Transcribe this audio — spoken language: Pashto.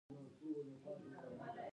دوی به له علماوو سره ډوډۍ خوړه.